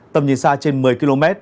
tầm nhìn xa trên một mươi km